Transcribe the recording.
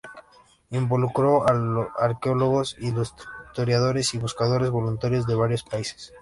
Involucró a arqueólogos, historiadores y buscadores voluntarios de varios países.